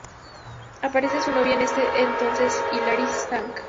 Aparece su novia en ese entonces Hilary Swank.